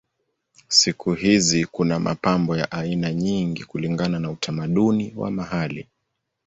Siku hizi kuna mapambo ya aina nyingi kulingana na utamaduni wa mahali.